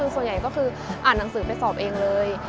ส่วนใหญ่ก็คืออ่านหนังสือไปสอบเองเลย